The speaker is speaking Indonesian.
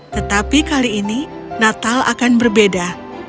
tetapi kali ini natal akan berbeda